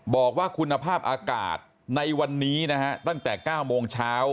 บอกว่าคุณภาพอากาศในวันนี้นะฮะตั้งแต่๙โมงเช้า